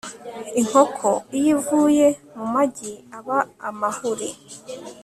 inkoko iyo ivuye mu majyi aba amahuri